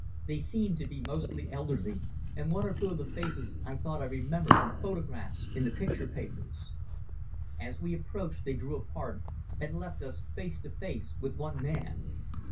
They seemed to be mostly elderly, and one or two of the faces I thought I remembered from photographs in the picture papers. As we approached they drew apart, and left us face to face with one man.